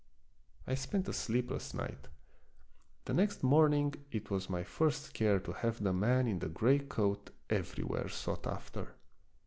I spent a sleepless night. The next morning it was my first care to have the man in the gray coat everywhere sought after.